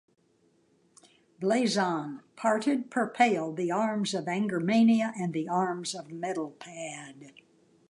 Blazon: Parted per pale, the arms of Angermannia and the arms of Medelpad.